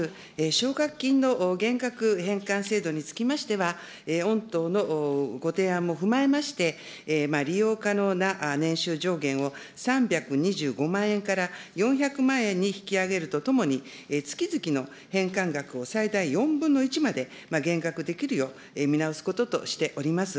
奨学金の減額返還制度につきましては、御党のご提案も踏まえまして、利用可能な年収上限を、３２５万円から４００万円に引き上げるとともに、月々の返還額を最大４分の１まで減額できるよう、見直すこととしております。